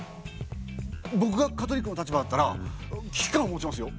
ぼくがカトリックの立場だったら危機感を持ちますよ。